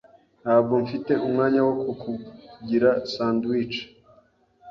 Ntabwo mfite umwanya wo kukugira sandwich.